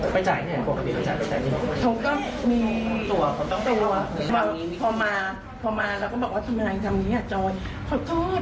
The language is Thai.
ไปจ่ายไงพวกเขาไปจ่ายพวกเขาก็มีตัวตัวตัวพอมาพอมาแล้วก็บอกว่าทำไง